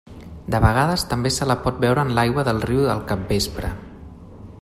De vegades també se la pot veure en l'aigua del riu al capvespre.